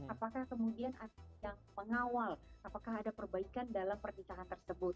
apakah kemudian ada yang mengawal apakah ada perbaikan dalam pernikahan tersebut